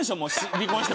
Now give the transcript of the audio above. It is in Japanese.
離婚して。